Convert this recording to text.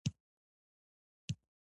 دور درېخت هالنډ.